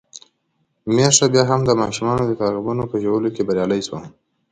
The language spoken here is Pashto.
ميښه بيا هم د ماشومانو د کتابونو په ژولو کې بريالۍ شوه.